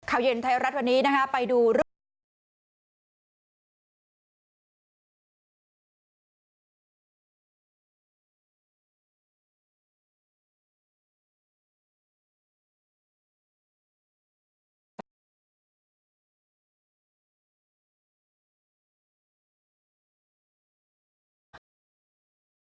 ข่าวเย็นไทยรัฐวันนี้นะฮะไปดูร่วม